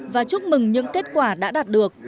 và chúc mừng những kết quả đã đạt được